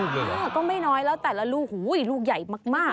ก็ไม่น้อยแล้วแต่ละลูกลูกใหญ่มาก